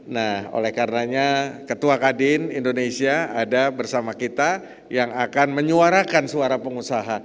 nah oleh karenanya ketua kadin indonesia ada bersama kita yang akan menyuarakan suara pengusaha